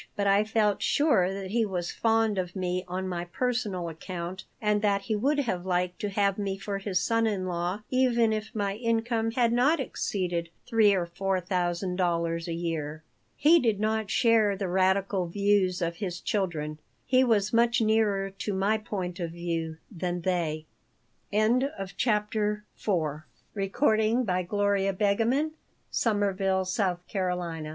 But I felt sure that he was fond of me on my personal account and that he would have liked to have me for his son in law even if my income had not exceeded three or four thousand dollars a year. He did not share the radical views of his children. He was much nearer to my point of view than they CHAPTER V IT was December. There was an air of prosperity in Tevkin's house, but th